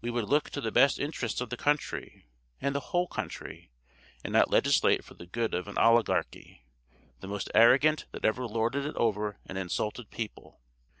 We would look to the best interests of the country, and the whole country, and not legislate for the good of an Oligarchy, the most arrogant that ever lorded it over an insulted people.